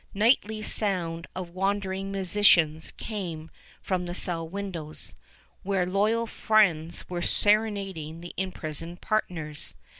Nightly sound of wandering musicians came from the cell windows, where loyal friends were serenading the imprisoned partners.